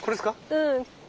うん。